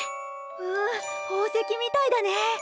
うん宝石みたいだね。